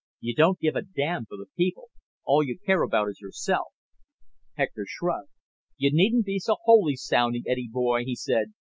You don't give a damn for the people. All you care about is yourself." Hector shrugged. "You needn't be so holy sounding, Eddie boy," he said.